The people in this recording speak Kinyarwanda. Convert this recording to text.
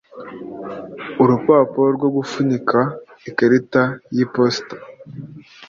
urupapuro rwo gufunikamo ikarita y iposita